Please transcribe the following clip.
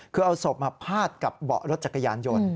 คือเอาศพมาพาดกับเบาะรถจักรยานยนต์